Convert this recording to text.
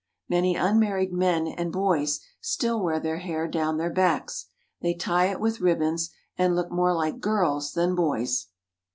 Many unmarried men and boys still wear their hair down their backs. They tie it with ribbons, and look more like girls than boys.